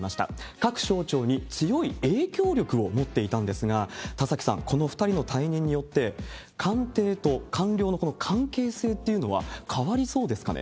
各省庁に強い影響力を持っていたんですが、田崎さん、この２人の退任によって、官邸と官僚のこの関係性っていうのは変わりそうですかね？